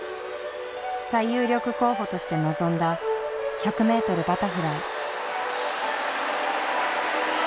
最有力候補として臨んだ１００ｍバタフライ。